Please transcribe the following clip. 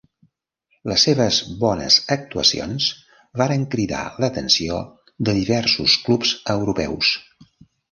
Les seves bones actuacions varen cridar l'atenció de diversos clubs europeus.